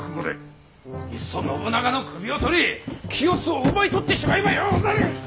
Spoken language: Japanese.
いっそ信長の首をとり清須を奪い取ってしまえばようござる！